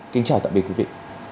kính chào tạm biệt quý vị